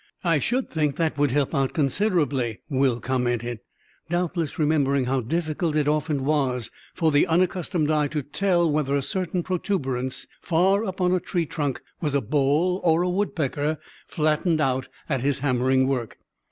"I should think that would help out considerably," Will commented, doubtless remembering how difficult it often was for the unaccustomed eye to tell whether a certain protuberance far up on a tree trunk was a boll or a woodpecker flattened out at his hammering work.